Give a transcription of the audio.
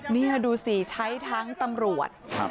นี่ดูสิใช้ทั้งตำรวจ